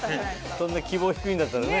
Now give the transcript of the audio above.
そんな希望低いんだったらね。